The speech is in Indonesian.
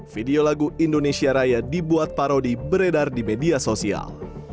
video lagu indonesia raya dibuat parodi beredar di media sosial